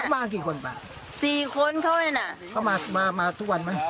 มากี่คนมาสี่คนเขานั่นน่ะเขามามาทุกวันไหม